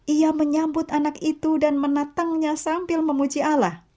ia menyambut anak itu dan menatangnya sambil memuji ala